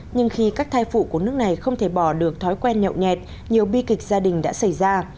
nhưng khi các thai phụ của nước này không thể bỏ được thói quen nhậu nhẹt nhiều bi kịch gia đình đã xảy ra